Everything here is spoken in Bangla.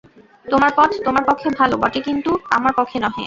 তোমার পথ তোমার পক্ষে ভাল বটে, কিন্তু আমার পক্ষে নহে।